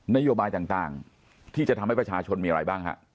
นโยบายต่างที่จะทำให้ประชาชนมีอะไรบ้างฮะ